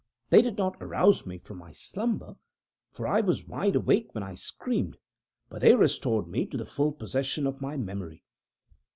They did not arouse me from my slumber for I was wide awake when I screamed but they restored me to the full possession of my memory.